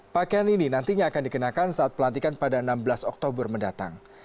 pakaian ini nantinya akan dikenakan saat pelantikan pada enam belas oktober mendatang